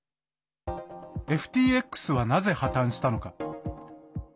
ＦＴＸは、なぜ破綻したのか。